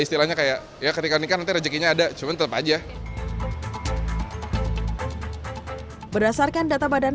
istilahnya kayak ya ketika nikah nanti rezekinya ada cuman tetap aja berdasarkan data badan